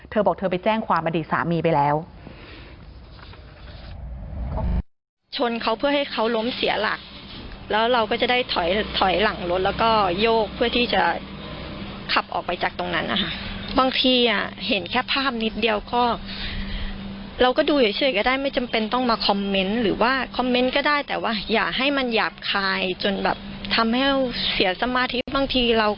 เธอบอกเธอไปแจ้งความอดีตสามีไปแล้ว